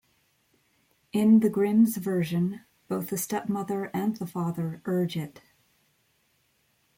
In the Grimms' version, both the stepmother and the father urge it.